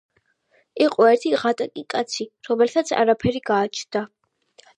იყო ერთი ღატაკი კაცი, რომელსაც არაფერი გააჩნდა.